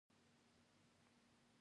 زردالو ته په انګلیسي Apricot وايي.